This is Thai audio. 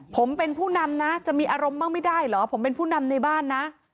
ผมเป็นผู้นำนะจะมีอารมณ์บ้างไม่ได้เหรอผมเป็นผู้นำในบ้านนะ